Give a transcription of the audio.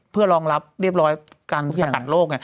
เพื่อรองรับเรียบร้อยการสกัดโรค